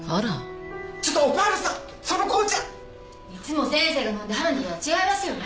いつも先生が飲んではるのとは違いますよね？